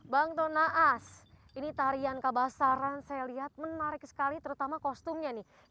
bang tonaas ini tarian kabasaran saya lihat menarik sekali terutama kostumnya nih